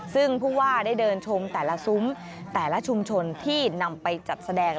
ซึ่งผู้ว่าได้เดินชมแต่ละซุ้มแต่ละชุมชนที่นำไปจัดแสดง